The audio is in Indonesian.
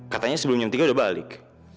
katanya sebelum jam tiga udah balik